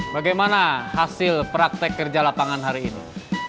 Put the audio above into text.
bagaimana hasil praktek kerja lapangan hari ini